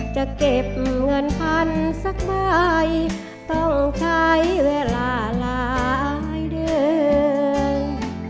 จะเก็บเงินพันสักใบต้องใช้เวลาหลายเดือน